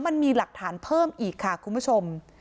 มันมีหลักฐานเพิ่มอีกค่ะคุณผู้ชม